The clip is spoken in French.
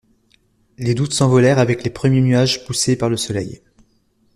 Les doutes s’envolèrent avec les premiers nuages poussés par le soleil.